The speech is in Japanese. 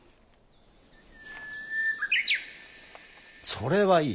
それはいい。